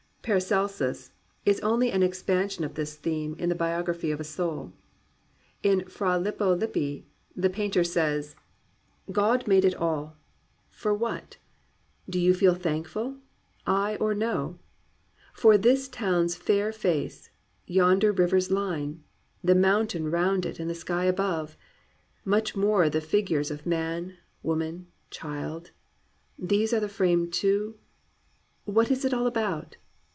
Paracelsus is only an expansion of this theme in the biography of a soul. In Fra Lippo Lippi the painter says: 248 *'GLORY OF THE IMPERFECT" " God made it all ! For what? Do you feel thankful, ay or no. For this fair town's face, yonder river's line. The mountain round it and the sky above. Much more the figures of man, w^oman, child. These are the frame to ? What's it all about